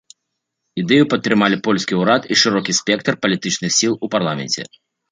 Ідэю падтрымалі польскі ўрад і шырокі спектр палітычных сіл у парламенце.